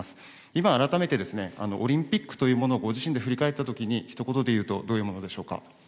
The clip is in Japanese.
今改めて、オリンピックというものをご自身で振り返った時にひと言で言うとどういうものでしょうか。